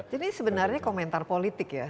ini sebenarnya komentar politik ya